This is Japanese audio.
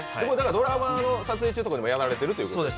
ドラマの撮影中とかでもやられているということですよね。